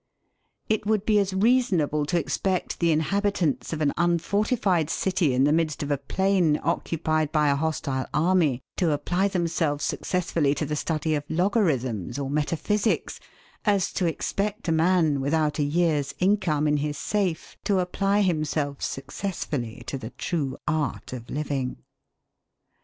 It would be as reasonable to expect the inhabitants of an unfortified city in the midst of a plain occupied by a hostile army to apply themselves successfully to the study of logarithms or metaphysics, as to expect a man without a year's income in his safe to apply himself successfully to the true art of living.